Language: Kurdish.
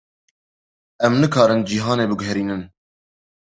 Em nikarin cîhanê biguherînin.